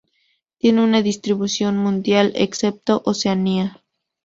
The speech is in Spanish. Tiene una distribución mundial, excepto Oceanía.